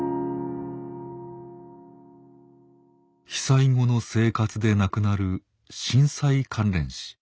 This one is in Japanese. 被災後の生活で亡くなる震災関連死。